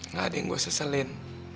nggak ada yang gue seselin